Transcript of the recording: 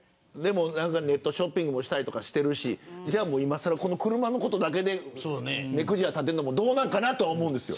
ネットショッピングもしているし今さら、車のことだけで目くじら立てるのもどうかなとは思うんですよ。